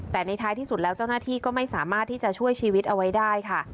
แต่ในท้ายที่สุดแล้วเจ้าหน้าที่ก็ไม่สามารถที่จะช่วยชีวิตเอาไว้ได้ค่ะ